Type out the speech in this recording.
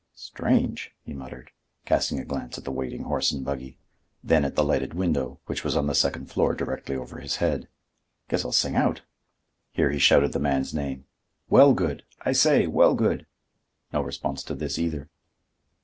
"Strange!" he muttered, casting a glance at the waiting horse and buggy, then at the lighted window, which was on the second floor directly over his head. "Guess I'll sing out." Here he shouted the man's name. "Wellgood! I say, Wellgood!" No response to this either.